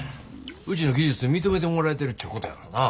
うちの技術認めてもらえてるちゅうことやからな。